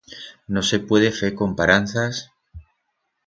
No se puede fer comparanzas...